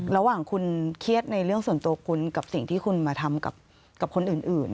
ระหว่างคุณเครียดในเรื่องส่วนตัวคุณกับสิ่งที่คุณมาทำกับคนอื่น